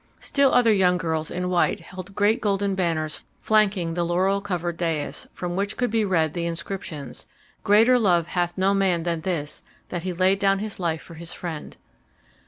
Still other young girls in white held great golden banners flanking the laurel covered dais, from which could be read the inscriptions: "Greater love hath no man than this, that he lay down his life for his friend"